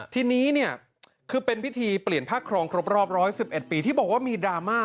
ทีนี้เนี่ยคือเป็นพิธีเปลี่ยนภาคครองครบรอบ๑๑ปีที่บอกว่ามีดราม่า